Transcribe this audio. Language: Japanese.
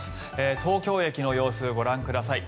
東京駅の様子、ご覧ください。